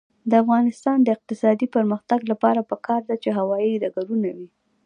د افغانستان د اقتصادي پرمختګ لپاره پکار ده چې هوايي ډګرونه وي.